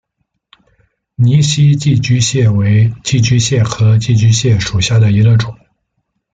泥栖寄居蟹为寄居蟹科寄居蟹属下的一个种。